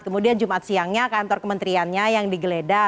kemudian jumat siangnya kantor kementeriannya yang digeledah